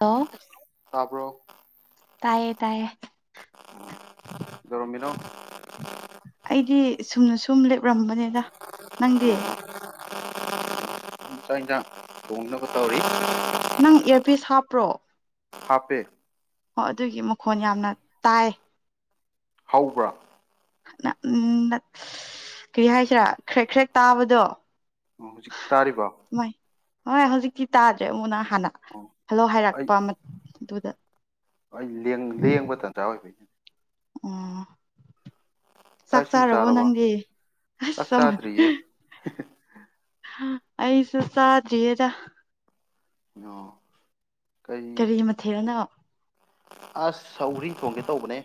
ꯂꯣ ꯇꯥꯕ꯭ꯔꯣ ꯇꯥꯏꯌꯦ ꯇꯥꯏꯌꯦ ꯀꯩꯗꯧꯔꯝꯃꯤꯅꯣ ꯑꯩꯗꯤ ꯆꯨꯝꯅ ꯁꯨꯝ ꯂꯦꯞꯂꯝꯕꯅꯤꯗ ꯅꯪꯗꯤ ꯑꯣ ꯆꯥꯛ ꯏꯟꯖꯥꯡ ꯊꯣꯡꯅꯕ ꯇꯧꯔꯤ ꯅꯪ ꯏꯌꯥꯔꯄꯤꯁ ꯍꯥꯞꯄ꯭ꯔꯣ ꯍꯥꯞꯄꯦ ꯍꯣ ꯑꯗꯨꯒꯤ ꯃꯈꯣꯟ ꯌꯥꯝꯅ ꯇꯥꯏ ꯍꯧꯕ꯭ꯔꯥ ꯎꯝ ꯀꯔꯤ ꯍꯥꯏꯁꯤꯔꯥ ꯈ꯭ꯔꯦꯛ ꯈ꯭ꯔꯦꯛ ꯇꯥꯕꯗꯣ ꯎꯝ ꯍꯧꯖꯤꯛ ꯇꯥꯔꯤꯕꯣ ꯍꯣꯏ ꯍꯣꯏ ꯍꯧꯖꯤꯛꯇꯤ ꯇꯥꯗ꯭ꯔꯦ ꯑꯃꯨꯛꯅ ꯍꯥꯟꯅ ꯑꯣ ꯍꯜꯂꯣ ꯍꯥꯏꯔꯛꯄ ꯑꯗꯨꯗ ꯍꯣꯏ ꯂꯦꯡꯕ ꯂꯦꯡꯕ ꯇꯟꯖꯥ ꯑꯣꯏꯕꯩꯅꯤ ꯎꯝ ꯆꯥꯛ ꯏꯁꯤꯡ ꯆꯥꯔꯕꯣ ꯆꯥꯔꯕ ꯅꯪꯗꯤ ꯆꯥꯛ ꯆꯥꯗ꯭ꯔꯤꯌꯦ ꯑꯩꯁꯨ ꯆꯥꯗ꯭ꯔꯤꯌꯦꯗ ꯑꯣ ꯀꯩ ꯀꯔꯤ ꯃꯊꯦꯜꯅꯣ ꯑꯁ ꯁꯧꯒ꯭ꯔꯤ ꯊꯣꯡꯒꯦ ꯇꯧꯕꯅꯦ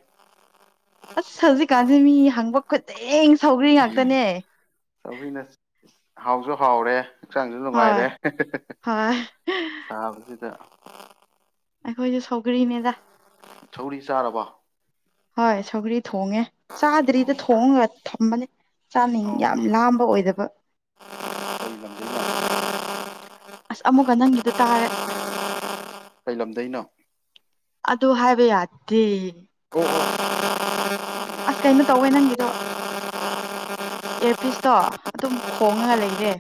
ꯑꯁ ꯍꯧꯖꯤꯛꯀꯥꯟꯁꯦ ꯃꯤ ꯍꯪꯕ ꯈꯨꯗꯤꯡ ꯁꯧꯒ꯭ꯔꯤ ꯉꯥꯛꯇꯅꯦ ꯁꯧꯒ꯭ꯔꯤꯅ ꯍꯥꯎꯁꯨ ꯍꯥꯎꯔꯦ ꯍꯛꯆꯥꯡꯁꯨ ꯍꯣꯏ ꯅꯨꯡꯉꯥꯏꯔꯦ ꯍꯣꯏ ꯁꯥꯕꯁꯤꯗ ꯑꯩꯈꯣꯏꯁꯨ ꯁꯧꯒ꯭ꯔꯤꯅꯦꯗ ꯁꯧꯒ꯭ꯔꯤ ꯆꯥꯔꯕꯣ ꯍꯣꯏ ꯁꯧꯒ꯭ꯔꯤ ꯊꯣꯡꯉꯦ ꯆꯥꯗ꯭ꯔꯤꯗ ꯊꯣꯡꯉ ꯊꯝꯕꯅꯦ ꯆꯥꯅꯤꯡ ꯑꯣ ꯌꯥꯝ ꯂꯥꯝꯕ ꯑꯣꯏꯗꯕ [unintelligible] ꯑꯁ ꯑꯃꯨꯛꯀ ꯅꯪꯒꯤꯗꯣ ꯇꯥꯔꯦ ꯀꯩ ꯂꯝꯗꯩꯅꯣ ꯑꯗꯨ ꯍꯥꯏꯕ ꯌꯥꯗꯤ ꯑꯣ ꯑꯁ ꯀꯩꯅꯣ ꯇꯧꯋꯦ ꯅꯪꯒꯤꯗꯣ ꯏꯌ꯭ꯔꯄꯤꯁꯇꯣ ꯑꯗꯨꯝ ꯈꯣꯡꯉꯒ ꯂꯩꯔꯦ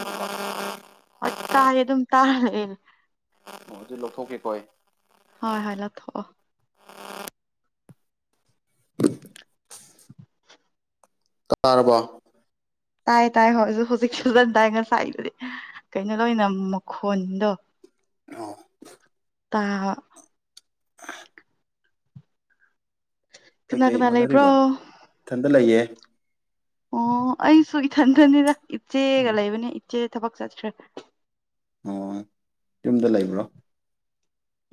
ꯑꯣ ꯇꯥꯏ ꯑꯗꯨꯝ ꯇꯥ ꯂꯩꯌꯦ ꯑꯣ ꯑꯗꯨ ꯂꯧꯊꯣꯛꯀꯦꯀꯣ ꯑꯩ ꯍꯣꯏ ꯍꯣꯏ ꯂꯧꯊꯣꯛꯑꯣ [unintelligible] ꯇꯥꯔꯕꯣ ꯇꯥꯏ ꯇꯥꯏ ꯍꯣꯏ ꯍꯧꯖꯤꯛ ꯐꯖꯟ ꯇꯥꯏ ꯉꯁꯥꯏꯗꯨꯗꯤ ꯀꯩꯅꯣ ꯂꯣꯏꯅ ꯃꯈꯣꯟꯗꯣ [unintelligible] ꯇꯥ ꯀꯅꯥ ꯀꯩ ꯀꯅꯥ ꯂꯩꯕ꯭ꯔꯣ ꯍꯣꯠꯅꯔꯤꯕ ꯏꯊꯟꯗ ꯂꯩꯌꯦ ꯑꯣ ꯑꯩꯁꯨ ꯏꯊꯟꯗꯅꯤꯗ ꯏꯆꯦꯒ ꯂꯩꯕꯅꯦ ꯏꯆꯦ ꯊꯕꯛ ꯆꯠꯈ꯭ꯔꯦ ꯑꯣ ꯌꯨꯝꯗ ꯂꯩꯕ꯭ꯔꯣ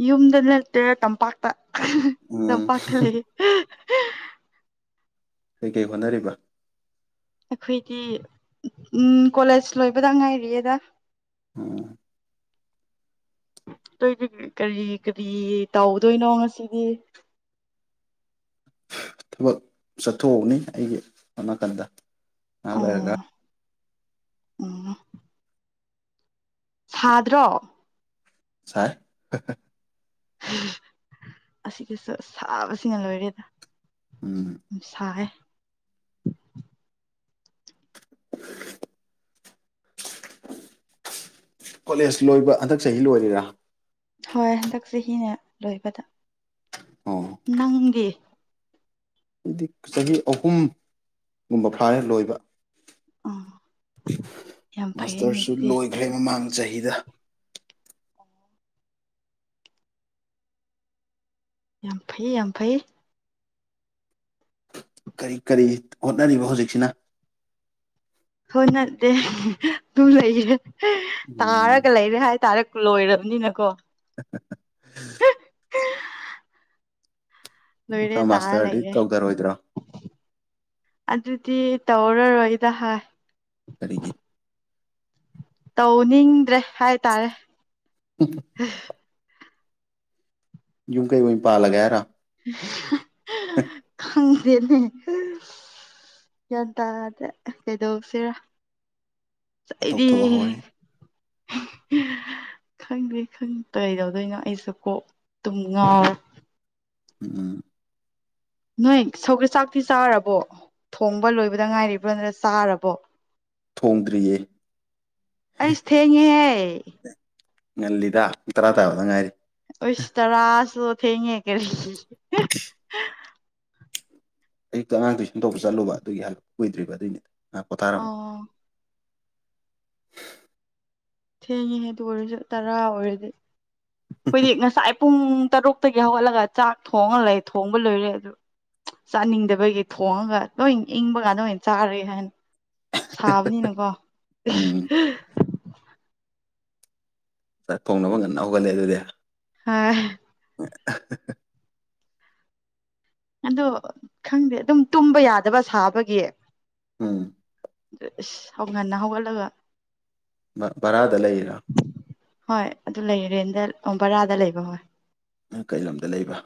ꯌꯨꯝꯗ ꯅꯠꯇꯦ ꯇꯝꯄꯥꯛꯇ ꯎꯝ ꯇꯝꯄꯥꯛꯇ ꯂꯩ ꯀꯩꯀꯩ ꯍꯣꯠꯅꯔꯤꯕ ꯑꯩꯈꯣꯏꯗꯤ ꯎꯝ ꯀꯣꯂꯦꯖ ꯂꯣꯏꯕꯗ ꯉꯥꯏꯔꯤꯑꯦꯗ ꯎꯝ ꯅꯣꯏꯗꯤ ꯀꯔꯤ ꯀꯔꯤ ꯇꯧꯗꯣꯏꯅꯣ ꯉꯁꯤꯗꯤ ꯊꯕꯛ ꯆꯠꯊꯣꯛꯎꯅꯤ ꯑꯩ ꯅꯥꯀꯟꯗ ꯉꯥꯏꯍꯥꯛ ꯂꯩꯔꯒ ꯎꯝ ꯎꯝ ꯁꯥꯗ꯭ꯔꯣ ꯁꯥꯏ ꯑꯁꯤꯗꯁꯨ ꯁꯥꯕꯁꯤꯅ ꯂꯣꯏꯔꯦꯗ ꯎꯝ ꯁꯥꯏꯑꯦ [unintelligible] ꯀꯣꯂꯦꯖ ꯂꯣꯏꯕ ꯍꯟꯗꯛ ꯆꯍꯤ ꯂꯣꯏꯔꯤꯔꯥ ꯍꯣꯏ ꯍꯟꯗꯛ ꯆꯍꯤꯅ ꯂꯣꯏꯕꯗ ꯑꯣ ꯅꯪꯗꯤ ꯑꯩꯗꯤ ꯆꯍꯤ ꯑꯍꯨꯝ ꯒꯨꯝꯕ ꯐꯥꯔꯦ ꯂꯣꯏꯕ ꯎꯝ ꯌꯥꯝ ꯐꯩꯌꯦꯅꯦ ꯃꯥꯁꯇꯔꯁꯨ ꯑꯗꯨꯗꯤ ꯂꯣꯏꯈ꯭ꯔꯦ ꯃꯃꯥꯡ ꯆꯍꯤꯗ ꯌꯥꯝ ꯐꯩ ꯌꯥꯝ ꯐꯩ ꯀꯔꯤ ꯀꯔꯤ ꯍꯣꯠꯅꯔꯤꯕ ꯍꯧꯖꯤꯛꯁꯤꯅ ꯍꯣꯏ ꯅꯠꯇꯦ ꯑꯗꯨ ꯂꯩꯔꯦ ꯎꯝ ꯇꯥꯔꯒ ꯂꯩꯔꯦ ꯍꯥꯏꯇꯥꯔꯦ ꯂꯣꯏꯔꯝꯅꯤꯅꯀꯣ [unintelligible] ꯃꯈꯥ ꯂꯣꯏꯔꯦ ꯇꯥ ꯃꯥꯁꯇꯔꯗꯤ ꯂꯩꯔꯦ ꯇꯧꯊꯔꯣꯏꯗ꯭ꯔꯣ ꯑꯗꯨꯗꯤ ꯇꯧꯔꯔꯣꯏꯗ ꯍꯥꯏ ꯀꯔꯤꯒꯤ ꯇꯧꯅꯤꯡꯗ꯭ꯔꯦ ꯍꯥꯏꯇꯥꯔꯦ [unintelligible] [unintelligible] ꯌꯨꯝ ꯀꯩ ꯑꯣꯏ ꯄꯥꯜꯂꯒꯦ ꯍꯥꯏꯔꯣ ꯈꯪꯗꯦꯅꯦ ꯒ꯭ꯌꯥꯟ ꯇꯥꯗꯦ ꯀꯩꯗꯧꯁꯤꯔ ꯑꯩꯗꯤ ꯇꯧꯊꯣꯛꯍꯧꯋꯦ [unintelligible] ꯈꯪꯗꯩ ꯈꯪ ꯀꯩꯗꯧꯗꯣꯏꯅꯣ ꯑꯩꯁꯨ ꯀꯣꯛ ꯇꯨꯝ ꯉꯥꯎ ꯎꯝ ꯅꯣꯏ ꯁꯧꯒ ꯆꯥꯛꯇꯤ ꯆꯥꯔꯕꯣ ꯊꯣꯡꯕ ꯂꯣꯏꯕꯗ ꯉꯥꯏꯔꯤꯕ꯭ꯔꯣ ꯅꯠꯇ꯭ꯔ ꯆꯥꯔꯕꯣ ꯊꯣꯡꯗ꯭ꯔꯤꯌꯦ ꯑꯩꯁ ꯊꯦꯡꯉꯦꯍꯦ ꯉꯜꯂꯤꯗ ꯄꯨꯡ ꯇꯔꯥ ꯇꯥꯕꯗ ꯉꯥꯏꯔꯤ ꯑꯣꯏꯁ ꯇꯔꯥꯁꯨ ꯊꯦꯡꯉꯦ ꯀꯔꯤ ꯑꯌꯨꯛꯇ ꯑꯉꯥꯡ ꯇꯨꯏꯁꯟ ꯇꯧꯕ ꯆꯠꯂꯨꯕ ꯑꯗꯨꯒꯤ ꯍꯥꯂꯛꯄ ꯀꯨꯏꯗ꯭ꯔꯤꯕ ꯑꯗꯨꯏꯅꯦ ꯉꯍꯥꯛ ꯑꯣ ꯄꯣꯊꯥꯔꯝꯕ ꯊꯦꯡꯉꯤꯍꯦ ꯑꯗꯨ ꯑꯣꯏꯔꯁꯨ ꯇꯔꯥ ꯑꯣꯏꯔꯗꯤ ꯑꯩꯈꯣꯏꯗꯤ ꯉꯁꯥꯏ ꯄꯨꯡ ꯇꯔꯨꯛꯇꯒꯤ ꯍꯧꯒꯠꯂꯒ ꯆꯥꯛ ꯊꯣꯡꯉ ꯂꯩ ꯊꯣꯡꯕ ꯂꯣꯏꯔꯦ ꯑꯗꯨ ꯆꯥꯅꯤꯡꯗꯕꯒꯤ ꯊꯣꯡꯉꯒ ꯂꯣꯏꯟ ꯏꯪꯕ ꯀꯥꯟꯗ ꯑꯣꯏꯅ ꯆꯥꯔꯒꯦ ꯍꯥꯏꯅ ꯁꯥꯕꯅꯤꯅꯀꯣ ꯑꯦꯍ ꯎꯝ ꯍ ꯆꯥꯛ ꯊꯣꯡꯅꯕ ꯉꯟꯅ ꯍꯧꯒꯠꯂꯦ ꯑꯗꯨꯗꯤ ꯍꯥ [unintelligible] ꯑꯗꯣ ꯈꯪꯗꯦ ꯑꯗꯨꯝ ꯇꯨꯝꯕ ꯌꯥꯗꯕ ꯁꯥꯕꯒꯤ ꯎꯝ ꯗ ꯏꯁ ꯍꯧ ꯉꯟꯅ ꯍꯧꯒꯠꯂꯒ ꯃ ꯕꯔꯥꯗ ꯂꯩꯔꯤꯔꯣ ꯍꯣꯏ ꯑꯗꯨ ꯂꯩ ꯔꯦꯟꯗ ꯕꯔꯥꯗ ꯂꯩꯕ ꯍꯣꯏ ꯅꯪ ꯀꯩ ꯂꯝꯗ ꯂꯩꯕ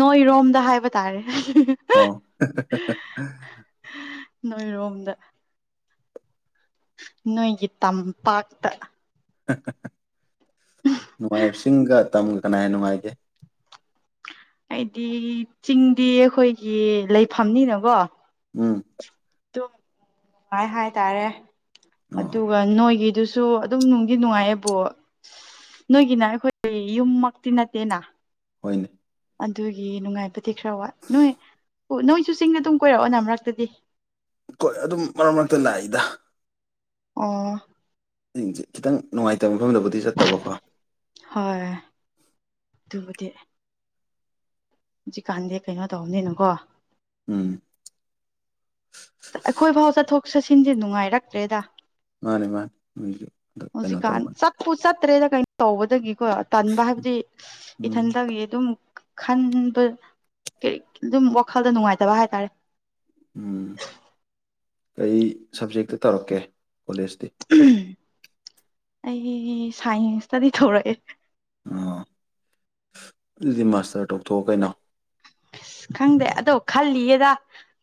ꯅꯣꯏꯔꯣꯝꯗ ꯍꯥꯏꯕ ꯇꯥꯔꯦ ꯑꯣ [unintelligible] ꯅꯣꯏꯔꯣꯝꯗ ꯅꯣꯏꯒꯤ ꯇꯝꯄꯥꯛꯇ ꯍ ꯍ ꯍ ꯅꯨꯡꯉꯥꯏꯕꯁꯤꯡꯒ ꯇꯝꯒ ꯀꯅꯥꯍꯦꯟ ꯅꯨꯡꯉꯥꯏꯒꯦ ꯑꯩꯗꯤ ꯆꯤꯡꯗꯤ ꯑꯩꯈꯣꯏꯒꯤ ꯂꯩꯐꯝꯅꯤꯅꯀꯣ ꯎꯝ ꯗꯨꯝ ꯅꯨꯡꯉꯥꯏ ꯍꯥꯏꯇꯥꯔꯦ ꯑꯣ ꯑꯗꯨꯒ ꯅꯣꯏꯒꯤꯗꯨꯁꯨ ꯁꯨ ꯑꯗꯨꯝ ꯅꯨꯡꯒꯤ ꯅꯨꯡꯉꯥꯏꯌꯦꯕꯨ ꯅꯣꯏꯒꯤꯅ ꯑꯩꯈꯣꯏ ꯌꯨꯝꯃꯛꯇꯤ ꯅꯠꯇꯦꯅ ꯍꯣꯏꯅꯦ ꯑꯗꯨꯒꯤ ꯅꯨꯡꯉꯥꯏꯕꯗꯤ ꯈꯔ ꯋꯥꯠ ꯅꯣꯏ ꯅꯣꯏꯁꯨ ꯆꯤꯡꯗ ꯑꯗꯨꯝ ꯀꯣꯏꯔꯛꯑꯣꯅꯥ ꯃꯔꯛꯇꯗꯤ ꯀꯣꯏ ꯑꯗꯨꯝ ꯃꯔꯛ ꯃꯔꯛꯇ ꯂꯥꯛꯏꯗ ꯑꯣ ꯆꯤꯡꯖꯦ ꯈꯤꯇꯪ ꯅꯨꯡꯉꯥꯏꯇꯕ ꯃꯐꯝꯗꯕꯨꯗꯤ ꯆꯠꯇꯕꯀꯣ ꯍꯣꯏ ꯑꯗꯨꯕꯨꯗꯤ ꯍꯨꯖꯤꯛꯀꯥꯟꯗꯤ ꯀꯩꯅꯣ ꯇꯧꯕꯅꯤꯅꯀꯣ ꯎꯝ ꯑꯩꯈꯣꯏ ꯐꯥꯎ ꯆꯠꯊꯣꯛ ꯆꯠꯁꯤꯟꯖꯦ ꯅꯨꯡꯉꯥꯏꯔꯛꯇ꯭ꯔꯦꯗꯥ ꯃꯥꯟꯅꯦ ꯃꯥꯟ ꯅꯣꯏꯁꯨ ꯍꯟꯗꯛ ꯀꯩꯅꯣ ꯇꯧꯕꯟ ꯄꯨ ꯆꯠꯇ꯭ꯔꯦꯗ ꯀꯩꯅꯣ ꯇꯧꯕꯗꯒꯤꯀꯣ ꯇꯟꯕ ꯍꯥꯏꯕꯗꯤ ꯎꯝ ꯏꯊꯟꯇꯒꯤ ꯑꯗꯨꯝ ꯈꯟꯕ ꯀꯩ ꯑꯗꯨꯝ ꯋꯥꯈꯜꯗ ꯅꯨꯡꯉꯥꯏꯇꯕ ꯍꯥꯏꯇꯥꯔꯦ ꯎꯝ ꯀꯩ ꯁꯕꯖꯦꯛꯇ ꯇꯧꯔꯛꯀꯦ ꯀꯣꯂꯦꯖꯇꯤ ꯎꯝ ꯑꯩ ꯁꯥꯏꯟꯁꯇꯗꯤ ꯇꯧꯔꯛꯑꯦ ꯑꯣ ꯑꯗꯨꯗꯤ ꯃꯥꯁꯇꯔ ꯇꯣꯛꯊꯣꯛꯑꯣ ꯀꯩꯅꯣ ꯑꯁ ꯈꯪꯗꯦ ꯑꯗꯣ ꯈꯜꯂꯤꯌꯦꯗꯥ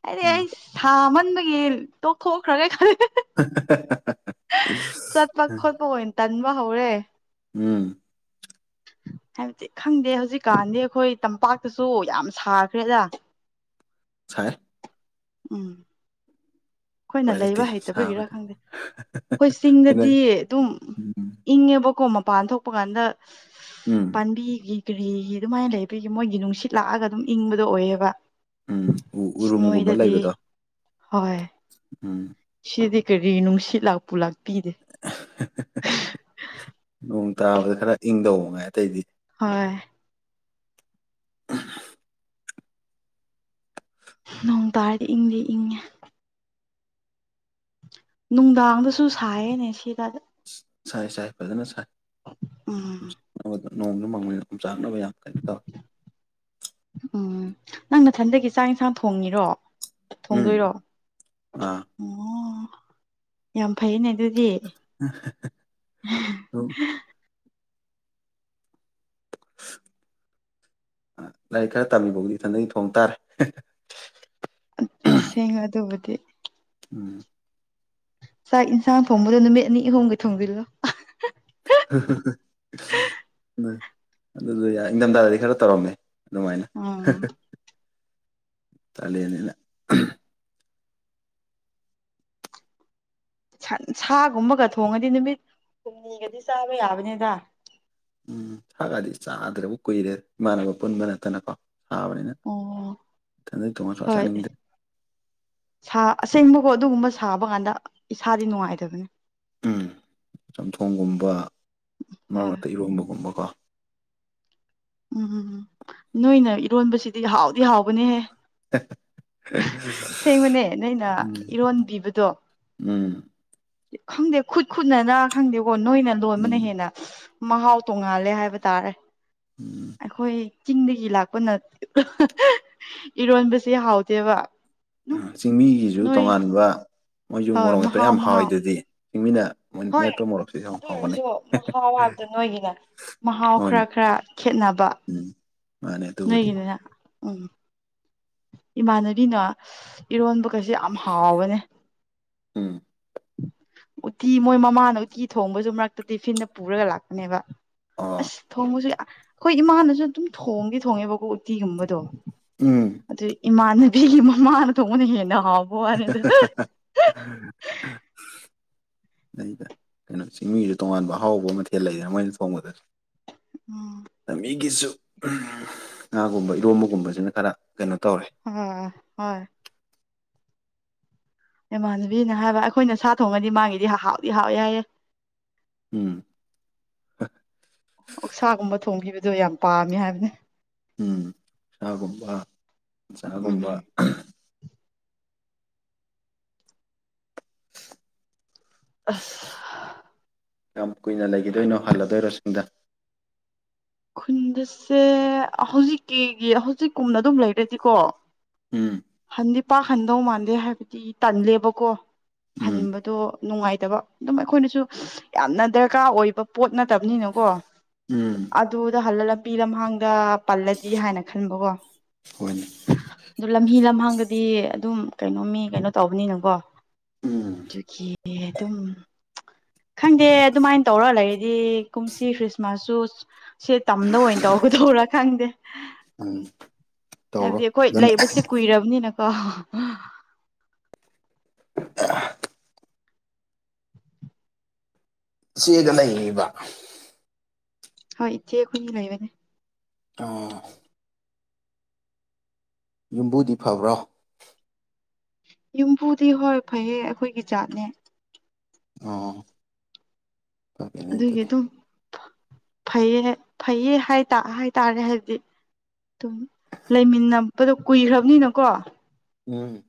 ꯑꯩꯗꯤ ꯎꯝ ꯑꯩꯁ ꯁꯥꯃꯟꯕꯒꯤ ꯇꯣꯛꯊꯣꯛꯈ꯭ꯔꯒ ꯈꯜ ꯂꯤ [unintelligible] ꯆꯠꯄ ꯈꯣꯠꯄ ꯑꯣꯏꯅ ꯇꯟꯕ ꯍꯧꯔꯦ ꯎꯝ ꯍꯥꯏꯕꯗꯤ ꯈꯪꯗꯦ ꯍꯧꯖꯤꯛꯀꯥꯟꯗꯤ ꯑꯩꯈꯣꯏ ꯇꯝꯄꯥꯛꯇꯁꯨ ꯌꯥꯝ ꯁꯥꯈ꯭ꯔꯦꯗ ꯁꯥꯏ ꯎꯝ ꯈꯣꯏꯅ ꯎꯄꯥꯏ ꯂꯩꯇꯦ ꯂꯩꯕ ꯍꯩꯇꯕꯒꯤꯔꯥ ꯁꯥꯕꯗꯤ ꯈꯪꯗꯦ ꯈꯣꯏ ꯑꯩꯅ ꯆꯤꯡꯗꯗꯤ ꯑꯗꯨꯝ ꯎꯝ ꯏꯪꯉꯦꯕꯀꯣ ꯃꯄꯥꯟ ꯊꯣꯛꯄ ꯀꯥꯟꯗ ꯎꯝ ꯄꯥꯝꯕꯤꯒꯤ ꯀꯔꯤꯒꯤ ꯑꯗꯨꯃꯥꯏꯅ ꯂꯩꯕꯒꯤ ꯃꯣꯏꯒꯤ ꯅꯨꯡꯁꯤꯠ ꯂꯥꯛꯑꯒ ꯑꯗꯨꯝ ꯏꯪꯕꯗꯣ ꯑꯣꯏꯑꯦꯕ ꯎꯝ ꯎ ꯎꯔꯨꯝꯒꯨꯝꯕ ꯂꯩꯕꯗꯣ ꯍꯣꯏ ꯎꯝ ꯁꯤꯗꯤ ꯀꯔꯤ ꯅꯨꯡꯁꯤꯠ ꯂꯥꯛꯄꯨ ꯂꯥꯛꯄꯤꯗꯦ ꯅꯣꯡ ꯇꯥꯕꯗ ꯈꯔ ꯏꯪꯗꯧꯕ ꯉꯥꯏ ꯑꯇꯩꯗꯤ ꯍꯣꯏ ꯑ ꯅꯣꯡ ꯇꯥꯔꯗꯤ ꯏꯪꯗꯤ ꯏꯪꯉꯦ ꯅꯨꯡꯗꯥꯡꯗꯁꯨ ꯁꯥꯏꯌꯦꯅꯦ ꯁꯤꯗ ꯁꯥꯏ ꯁꯥꯏ ꯐꯖꯅ ꯁꯥꯏ ꯎꯝ ꯅꯣꯡꯁꯨ ꯃꯡꯕꯅꯤꯅ ꯌꯨꯝꯆꯥꯛꯅꯕ ꯌꯥꯝ ꯀꯩꯅ ꯇꯧꯋꯤ ꯎꯝ ꯅꯪ ꯅꯊꯟꯗꯒꯤ ꯆꯥꯛ ꯏꯟꯁꯥꯡ ꯊꯣꯡꯉꯤꯔꯣ ꯎꯝ ꯊꯣꯡꯗꯣꯏꯔꯣ ꯑꯥ ꯑꯣ ꯌꯥꯝ ꯐꯩꯅꯦ ꯑꯗꯨꯗꯤ ꯑꯗꯨꯝ ꯂꯥꯏꯔꯤꯛ ꯈꯔ ꯇꯥꯝꯃꯤꯕꯧꯗꯤ ꯏꯊꯟꯇꯒꯤ ꯊꯣꯡ ꯇꯥꯔꯦ ꯁꯦꯡꯉ ꯑꯗꯨꯕꯨꯗꯤ ꯎꯝ ꯆꯥꯛ ꯏꯟꯁꯥꯡ ꯊꯣꯡꯕꯗꯣ ꯅꯨꯃꯤꯠ ꯑꯅꯤ ꯑꯍꯨꯝꯒꯤ ꯊꯣꯡꯕꯤꯜꯂꯣ ꯎꯝ ꯑꯗꯨꯗꯣ ꯌꯥꯏ ꯏꯪꯊꯝꯊꯥꯗꯗꯤ ꯈꯔ ꯇꯧꯔꯝꯃꯦ ꯑꯗꯨꯃꯥꯏꯅ ꯎꯝ ꯇꯜꯂꯦꯅ ꯁꯥꯒꯨꯝꯕꯒ ꯊꯣꯡꯉꯗꯤ ꯅꯨꯃꯤꯠ ꯍꯨꯝꯅꯤꯒꯗꯤ ꯆꯥꯕ ꯌꯥꯕꯅꯤꯗ ꯎꯝꯁꯒꯗꯤ ꯆꯥꯗ꯭ꯔꯕꯨ ꯀꯨꯏꯔꯦ ꯏꯃꯥꯟꯅꯕ ꯄꯨꯟꯕ ꯅꯠꯇꯅꯀꯣ ꯁꯥꯥꯕꯅꯤꯅ ꯑꯣ ꯍꯣꯏ ꯁꯥ ꯑꯁꯦꯡꯕꯀꯣ ꯑꯗꯨꯒꯨꯝꯕ ꯁꯥꯕ ꯀꯥꯟꯗ ꯏꯁꯥꯗꯤ ꯅꯨꯡꯉꯥꯏꯇꯕꯅꯤ ꯎꯝ ꯆꯝꯊꯣꯡꯒꯨꯝꯕ ꯃꯔꯛ ꯍꯣꯏ ꯃꯔꯛꯇ ꯏꯔꯣꯝꯕꯒꯨꯝꯕꯀꯣ ꯎꯝ ꯅꯣꯏꯅ ꯏꯔꯣꯟꯕꯁꯤꯗꯤ ꯍꯥꯎꯗꯤ ꯍꯥꯎꯕꯅꯦꯍꯦ [unintelligible] [unintelligible] ꯁꯦꯡꯕꯅꯦ ꯅꯣꯏꯅ ꯎꯝ ꯏꯔꯣꯟꯕꯤꯕꯗꯣ ꯎꯝ ꯈꯪꯗꯦ ꯈꯨꯠ ꯈꯨꯠꯅꯅ ꯈꯪꯗꯦꯀꯣ ꯅꯣꯏꯅ ꯎꯝ ꯂꯣꯟꯕꯅ ꯍꯦꯟꯅ ꯃꯍꯥꯎ ꯇꯣꯡꯉꯥꯜꯂꯦ ꯍꯥꯏꯕ ꯇꯥꯔꯦ [unintelligible] ꯑꯩꯈꯣꯏ ꯆꯤꯡꯗꯒꯤ ꯂꯥꯛꯄꯅ ꯏꯔꯣꯟꯕꯁꯦ ꯍꯥꯎꯗꯦꯕ ꯆꯤꯡꯃꯤꯒꯤꯁꯨ ꯇꯣꯉꯥꯟꯕ ꯃꯣꯏꯁꯨ ꯍꯣꯏ ꯃꯣꯔꯣꯛ ꯃꯦꯠꯄ ꯃꯍꯥꯎ ꯌꯥꯝ ꯃꯍꯥꯎ ꯍꯥꯎꯋꯤꯗꯨꯗꯤ ꯆꯤꯡꯃꯤꯅ ꯍꯣꯏ ꯃꯦꯠꯄ ꯃꯣꯔꯣꯛꯁꯤꯁꯨ ꯌꯥꯝ ꯑꯗꯨ ꯍꯥꯎꯕꯅꯦ ꯑꯣꯏꯔꯁꯨ ꯃꯍꯥꯎ ꯍꯥꯏꯕꯗ ꯅꯣꯏꯒꯤꯅ ꯃꯍꯥꯎ ꯈꯔ ꯍꯣꯏꯅꯦ ꯈꯔ ꯈꯦꯠꯅꯕ ꯎꯝ ꯃꯥꯅꯦ ꯑꯗꯨꯕꯨꯗꯤ ꯅꯣꯏꯒꯤꯅꯤꯅ ꯎꯝ ꯏꯃꯥꯟꯅꯕꯤꯅ ꯏꯔꯣꯟꯕ ꯀꯁꯦ ꯌꯥꯝ ꯍꯥꯎꯕꯅꯦ ꯎꯝ ꯎꯠꯇꯤ ꯃꯣꯏ ꯃꯃꯥꯅ ꯎꯇꯤ ꯊꯣꯡꯕꯁꯨ ꯃꯔꯛꯇ ꯇꯤꯐꯤꯟꯗ ꯄꯨꯔꯒ ꯂꯥꯛꯄꯅꯦꯕ ꯑꯣ ꯑꯁ ꯊꯣꯡꯕꯁꯨ ꯑꯩꯈꯣꯏ ꯏꯃꯥꯅꯁꯨ ꯑꯗꯨꯝ ꯊꯣꯡꯗꯤ ꯊꯣꯡꯉꯦꯕꯀꯣ ꯎꯇꯤꯒꯨꯝꯕꯗꯣ ꯎꯝ ꯑꯗꯨ ꯏꯃꯥꯟꯅꯕꯤꯒꯤ ꯃꯃꯥꯅ ꯊꯣꯡꯕꯅ ꯍꯦꯟꯅ ꯍꯥꯎꯕ ꯋꯥꯅꯤꯗ [unintelligible] ꯀꯩꯅꯣ ꯆꯤꯡꯃꯤꯁꯨ ꯇꯣꯉꯥꯟꯕ ꯑꯍꯥꯎꯕ ꯃꯊꯦꯜ ꯂꯩꯗꯅ ꯃꯣꯏꯅ ꯊꯣꯡꯕꯗ ꯎꯝ ꯃꯤꯒꯤꯁꯨ ꯉꯥꯒꯨꯝꯕ ꯏꯔꯣꯝꯕꯒꯨꯝꯕꯁꯤꯅ ꯈꯔ ꯀꯩꯅꯣ ꯇꯧꯔꯦ ꯎꯝ ꯍꯣꯏ ꯏꯃꯥꯟꯅꯕꯤꯅ ꯍꯥꯏꯕ ꯑꯩꯈꯣꯏꯅ ꯁꯥ ꯊꯣꯡꯉꯗꯤ ꯃꯥꯒꯤꯗꯤ ꯍꯥꯎꯗꯤ ꯍꯥꯎꯋꯦ ꯍꯥꯏꯑꯦ ꯎꯝ ꯑꯣꯛꯁꯥꯒꯨꯝꯕ ꯊꯣꯡꯈꯤꯕꯗꯣ ꯌꯥꯝ ꯄꯥꯝꯃꯤ ꯍꯥꯏꯕꯅꯦ ꯎꯝ ꯁꯥꯒꯨꯝꯕ ꯆꯒꯨꯝꯕ ꯎꯝ ꯑꯁ ꯌꯥꯝ ꯀꯨꯏꯅ ꯂꯩꯒꯤꯗꯣꯏꯅꯣ ꯍꯜꯂꯗꯣꯏꯔꯣ ꯁꯤꯡꯗ ꯈꯨꯟꯗꯁꯦ ꯍꯧꯖꯤꯛꯀꯤꯒꯤ ꯍꯧꯖꯤꯛꯀꯨꯝꯅ ꯑꯗꯨꯝ ꯂꯩꯔꯗꯤꯀꯣ ꯎꯝ ꯍꯟꯗꯤ ꯄꯥꯛꯍꯟꯗꯧ ꯃꯥꯟꯗꯦ ꯍꯥꯏꯕꯗꯤ ꯇꯜꯂꯦꯕꯀꯣ ꯎꯝ ꯍꯟꯕꯗꯣ ꯅꯨꯡꯉꯥꯏꯇꯕ ꯑꯗꯨꯝ ꯑꯩꯈꯣꯏꯅꯁꯨ ꯌꯥꯝꯅ ꯗꯔꯀꯥꯔ ꯑꯣꯏꯕ ꯄꯣꯠ ꯅꯠꯇꯕꯅꯤꯅꯀꯣ ꯎꯝ ꯑꯗꯨꯗ ꯍꯜꯂ ꯂꯝꯕꯤ ꯂꯝꯍꯥꯡꯗ ꯄꯜꯂꯗꯤ ꯍꯥꯏꯅ ꯈꯟꯕꯀꯣ ꯍꯣꯏꯅꯦ ꯑꯗꯨ ꯂꯝꯍꯤ ꯂꯝꯍꯥꯡꯗꯗꯤ ꯑꯗꯨꯝ ꯀꯩꯅꯣ ꯃꯤ ꯀꯩꯅꯣ ꯇꯧꯕꯅꯤꯅꯀꯣ ꯎꯝ ꯑꯗꯨꯒꯤꯅꯦ ꯑꯗꯨꯝ ꯈꯪꯗꯦ ꯑꯗꯨꯃꯥꯏꯟ ꯇꯧꯔ ꯂꯩꯔꯗꯤ ꯀꯨꯝꯁꯤ ꯈ꯭ꯔꯤꯁꯃꯥꯁꯁꯨ ꯁꯦ ꯇꯝꯗ ꯑꯣꯏꯅ ꯇꯧꯒꯗꯣꯔꯥ ꯈꯪꯗꯦ ꯎꯝ ꯍꯥꯏꯕꯗꯤ ꯇꯧꯔꯣ ꯑꯩꯈꯣꯏ ꯑꯗꯨꯅ ꯂꯩꯕꯁꯦ ꯀꯨꯏꯔꯕꯅꯤꯅꯀꯣ ꯆꯦꯒ ꯂꯩꯌꯤꯕ ꯍꯣꯏ ꯏꯆꯦ ꯑꯩꯈꯣꯏꯅꯤ ꯂꯩꯕꯅꯦ ꯑꯥ ꯌꯨꯝꯕꯨꯗꯤ ꯐꯕ꯭ꯔꯣ ꯌꯨꯝꯕꯨꯗꯤ ꯍꯣꯏ ꯐꯩꯌꯦ ꯑꯩꯈꯣꯏꯒꯤ ꯖꯥꯠꯅꯦ ꯑꯣ ꯐꯔꯦꯅꯦ ꯑꯗꯨꯒꯤ ꯑꯗꯨꯗꯤ ꯑꯗꯨꯝ ꯐꯩꯌꯦ ꯐꯩꯌꯦ ꯍꯥꯏꯇꯥ ꯍꯥꯏꯇꯥꯔꯦ ꯍꯥꯏꯕꯗꯤ ꯑꯗꯨꯝ ꯂꯩꯃꯤꯟꯅꯕꯗꯣ ꯀꯨꯏꯈ꯭ꯔꯕꯅꯤꯅꯀꯣ ꯎꯝ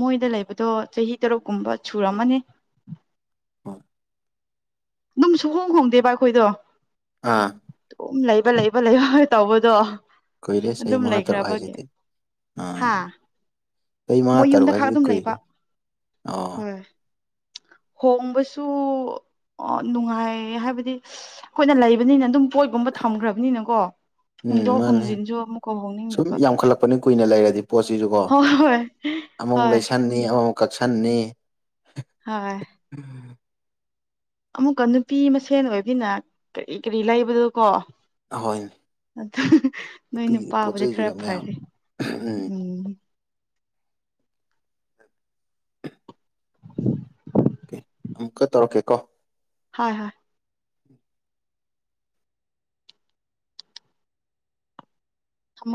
ꯃꯣꯏꯗ ꯂꯩꯕꯗꯣ ꯆꯍꯤ ꯇꯔꯨꯛ ꯀꯨꯝꯕ ꯁꯨꯔꯝꯃꯅꯤ ꯍꯣꯏ ꯑꯗꯨꯝ ꯁꯨꯍꯣꯡ ꯈꯣꯡꯗꯦꯕ ꯑꯩꯈꯣꯏꯗꯣ ꯑꯥ ꯎꯝ ꯂꯩꯕ ꯂꯩꯕ ꯂꯩꯕ ꯇꯧꯕꯗꯣ ꯀꯨꯏꯔꯦ ꯆꯍꯤ ꯑꯗꯨꯝ ꯃꯉꯥ ꯇꯔꯨꯛ ꯂꯩꯈ꯭ꯔꯕꯒꯤ ꯍꯥꯏꯁꯤꯗꯤ ꯍꯥ ꯑꯥ ꯆꯍꯤ ꯃꯉꯥ ꯃꯣꯏ ꯇꯔꯨꯛ ꯌꯨꯝꯗ ꯈꯥꯛꯇ ꯍꯥꯏꯁꯤꯗꯤ ꯑꯗꯨꯝ ꯂꯩꯕ ꯀꯨꯏꯔꯦ ꯑꯣ ꯍꯣꯏ ꯍꯣꯡꯕꯁꯨ ꯅꯨꯡꯉꯥꯏ ꯍꯥꯏꯕꯗꯤ ꯑꯩꯈꯣꯏꯅ ꯂꯩꯕꯅꯤꯅ ꯑꯗꯨꯝ ꯄꯣꯠꯒꯨꯝꯕ ꯊꯝꯈ꯭ꯔꯕꯅꯤꯅꯀꯣ ꯎꯝ ꯍꯣꯡꯗꯣꯛ ꯃꯥꯅꯦ ꯍꯣꯡꯖꯤꯟꯁꯨ ꯑꯃꯨꯛꯀ ꯁꯨꯝ ꯍꯣꯡꯅꯤꯡꯗꯕ ꯌꯥꯝꯈꯠꯂꯛꯄꯅꯤ ꯀꯨꯏꯅ ꯂꯩꯔꯗꯤ ꯄꯣꯠꯁꯤꯁꯨꯀꯣ ꯍꯣꯏ ꯍꯣꯏ ꯑꯃ ꯑꯃꯨꯛ ꯍꯣꯏ ꯂꯩꯁꯟꯅꯤ ꯑꯃ ꯑꯃꯨꯛ ꯀꯛꯁꯟꯅꯤ ꯍꯣꯏ ꯎꯝ ꯑꯃꯨꯛꯀ ꯅꯨꯄꯤ ꯃꯁꯦꯟ ꯑꯣꯏꯕꯤꯅ ꯀꯔꯤ ꯀꯔꯤ ꯂꯩꯕꯗꯨ ꯀꯣ ꯍꯣꯏꯅꯦ ꯑꯗꯨ ꯅꯣꯏ ꯅꯨꯄꯤꯒꯤꯗꯤ ꯄꯣꯠ ꯅꯄꯥꯥꯕꯨꯗꯤ ꯆꯩꯁꯨ ꯈꯔ ꯌꯥꯝ ꯌꯥꯝꯃꯦ ꯐꯔꯤ ꯎꯝ ꯑꯣꯀꯦ ꯎꯝ ꯑꯃꯨꯛꯀ ꯇꯧꯔꯛꯀꯦ ꯀꯣ ꯍꯣꯏ ꯍꯣꯏ